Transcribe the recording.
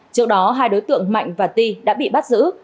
trước đó hai đối tượng mạnh và ti đã bị bắt giữ